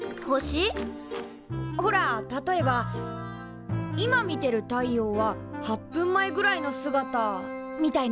ほら例えば今見てる太陽は８分前ぐらいの姿みたいな。